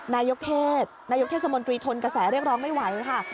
นายกเทศนายกเทศมนตรีทนกระแสเรียกร้องไม่ไหวค่ะ